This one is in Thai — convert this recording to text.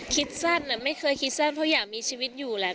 คิดสั้นไม่เคยคิดสั้นเพราะอยากมีชีวิตอยู่แหละ